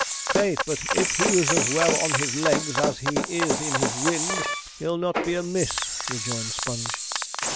'Faith, but if he was as well on his legs as he is in his wind, he'd not be amiss,' rejoined Sponge.